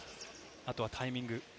あとはタイミング。